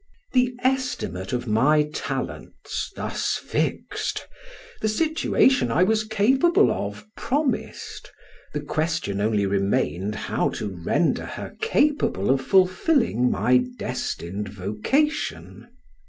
The estimate of my talents thus fixed, the situation I was capable of promised, the question only remained how to render her capable of fulfilling my destined vocation.